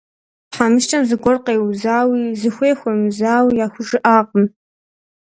Тхьэмыщкӏэм зыгуэр къеузауи, зыхуей хуэмызауи яхужыӀакъым.